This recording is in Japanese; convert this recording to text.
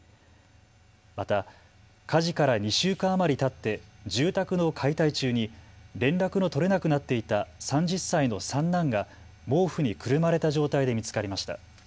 また火事から２週間余りたって住宅の解体中に連絡の取れなくなっていた３０歳の三男が毛布にくるまれた状態で見つかりました。